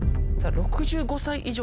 ６５歳以上か。